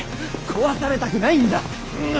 壊されたくないんだ。